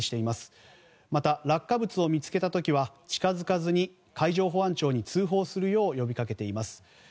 また、落下物を見つけた時は近づかずに海上保安庁に通報するよう呼びかけています。